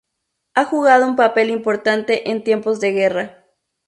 Ha jugado un papel importante en tiempos de guerra.